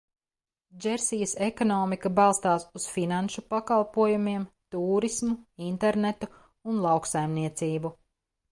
Džersijas ekonomika balstās uz finanšu pakalpojumiem, tūrismu, internetu un lauksaimniecību.